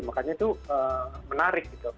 makanya itu menarik